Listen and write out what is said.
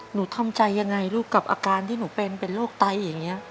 หนูทำใจยังไงลูกกับอาการที่หนูเป็นเป็นโรคไตอย่างนี้